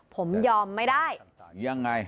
ผมยอมไม่ได้ยังไง